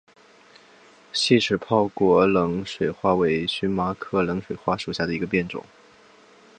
细齿泡果冷水花为荨麻科冷水花属下的一个变种。